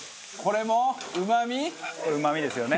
これうまみですよね。